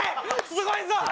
すごいぞ！